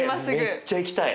めっちゃ行きたい！